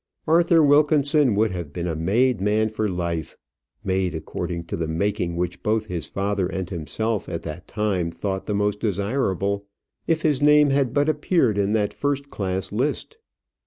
Arthur Wilkinson would have been a made man for life made according to the making which both his father and himself at that time thought the most desirable if his name had but appeared in that first class list.